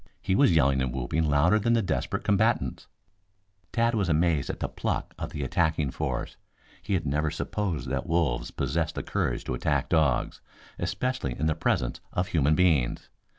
He was yelling and whooping louder than the desperate combatants. Tad was amazed at the pluck of the attacking force. He never had supposed that wolves possessed the courage to attack dogs, especially in the presence of human beings.